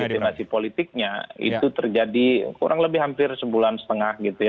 legitimasi politiknya itu terjadi kurang lebih hampir sebulan setengah gitu ya